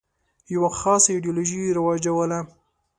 یوه خاصه ایدیالوژي رواجوله.